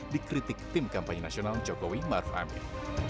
dikritik tim kampanye nasional jokowi maruf amin